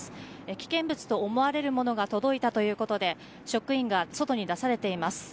危険物と思われるものが届いたということで職員が外に出されています。